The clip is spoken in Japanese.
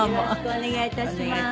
お願いいたします。